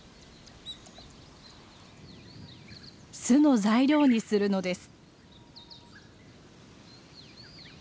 巣の材料にするのです。